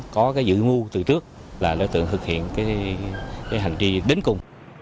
có dự mưu từ trước là đối tượng thực hiện hành trì đến cùng